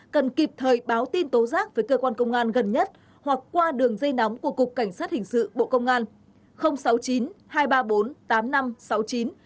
cần kịp thời báo tin tố giác với cơ quan công an gần nhất hoặc qua đường dây nóng của cục cảnh sát hình sự bộ công an